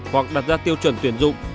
hoặc đặt ra tiêu chuẩn tuyển dụng